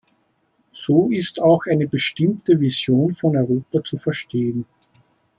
So ist auch eine bestimmte Vision von Europa zu verstehen.